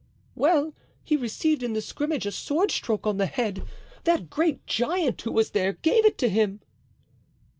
"Well, he received in the scrimmage a sword stroke on the head. That great giant who was there gave it to him."